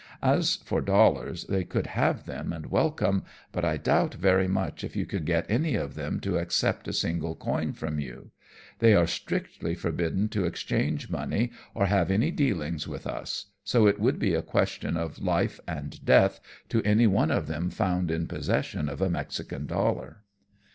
As for dollars, they could have them and welcome, but I doubt very much if you could get any of them to accept a single coin from you. They are strictly for bidden to exchange money or have any dealings with us, so it would be a question of life and death to any one of them found in possession of a Mexican dollar."